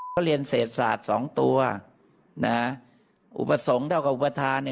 ก็เรียนเศษศาสตร์สองตัวนะฮะอุปสรงเท่ากับอุปทานี่